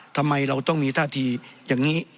ทำไมเราต้องมีท่าทีอย่างนี้